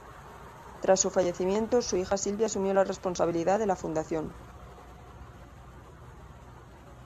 Tras su fallecimiento, su hija Silvia asumió la responsabilidad de la fundación.